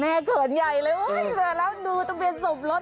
แม่เขินใหญ่เลยแล้วดูทะเบียนสมรส